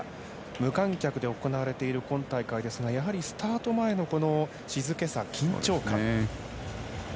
無観客で行われている今大会ですがやはりスタート前の静けさ、緊張感。